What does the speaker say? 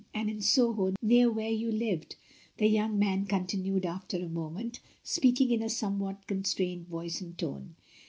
"And in Soho near where you lived," the young man continued after a moment, speaking in a somewhat constrained voice and tone.